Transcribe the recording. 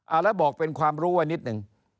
แล้วบอกเป็นความรู้ไว้นิดนึง